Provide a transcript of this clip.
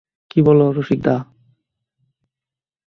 কী বল রসিকদা!